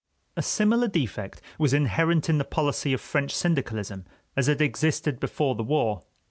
A similar defect was inherent in the policy of French syndicalism as it existed before the war.